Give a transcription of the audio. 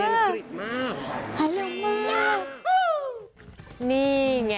นี่ไงสุดปังคุณพี่ผมขา